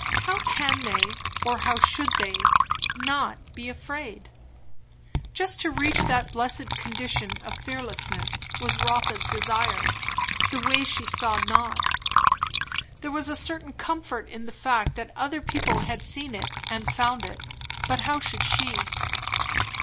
How can they, or how should they, "not be afraid"? Just to reach that blessed condition of fearlessness was Rotha's desire; the way she saw not. There was a certain comfort in the fact that other people had seen it and found it; but how should she?